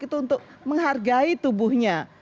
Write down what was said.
itu untuk menghargai tubuhnya